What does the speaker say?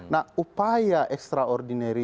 nah upaya ekstraordinari